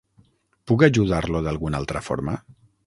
Puc ajudar-lo d'alguna altra forma?